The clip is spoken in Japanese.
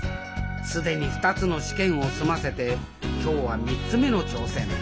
既に２つの試験を済ませて今日は３つ目の挑戦。